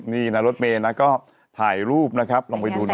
นี่นะรถเมย์นะก็ถ่ายรูปนะครับลองไปดูนะ